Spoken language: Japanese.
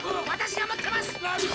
私が持ってます！